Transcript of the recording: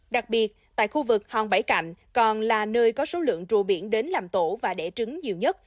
đặc biệt tại khu vực hòn bảy cạnh còn là nơi có số lượng trù biển đến làm tổ và đẻ trứng nhiều nhất